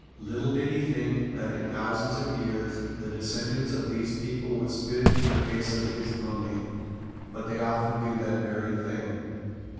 Little did he think that in thousands of years the descendants of these people would spit in the face of his mummy, but they often do that very thing.